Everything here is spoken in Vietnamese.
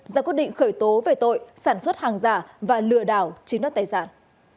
ra quyết định khởi tố về tội sản xuất hàng giả và lừa đảo chiếm đoạt tài sản